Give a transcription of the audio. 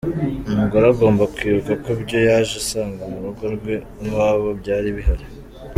Umugore agomba kwibuka ko ibyo yaje asanga murugo rwe niwabo byari bihari.